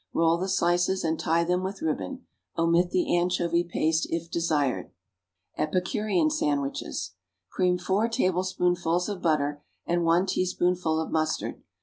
Roll the slices and tie them with ribbon. Omit the anchovy paste, if desired. =Epicurean Sandwiches.= Cream four tablespoonfuls of butter and one teaspoonful of mustard.